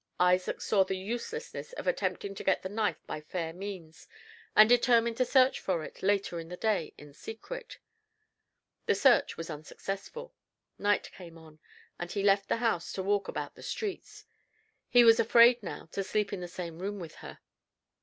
Isaac saw the uselessness of attempting to get the knife by fair means, and determined to search for it, later in the day, in secret. The search was unsuccessful. Night came on, and he left the house to walk about the streets. He was afraid now to sleep in the same room with her.